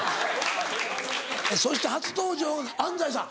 そして初登場が安斉さん。